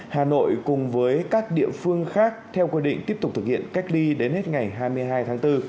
hà nội cùng với các địa phương khác theo quy định tiếp tục thực hiện cách ly đến hết ngày hai mươi hai tháng bốn